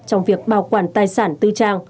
trong việc bảo quản tài sản tư trang